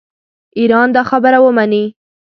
ایران دا خبره ومني.